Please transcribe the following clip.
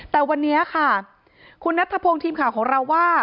แต่วันนี้ค่ะคุณนัทธพงศ์ทีมข่าวของเราว่า